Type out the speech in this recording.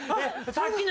さっきの。